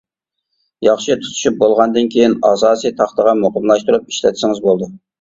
ياخشى تۇتىشىپ بولغاندىن كېيىن، ئاساسىي تاختىغا مۇقىملاشتۇرۇپ ئىشلەتسىڭىز بولىدۇ.